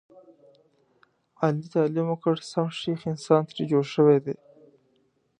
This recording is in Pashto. علي تعلیم وکړ سم سیخ انسان ترې جوړ شوی دی.